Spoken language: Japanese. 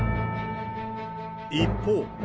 一方。